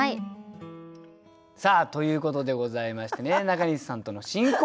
さあということでございましてね中西さんとの新コーナー。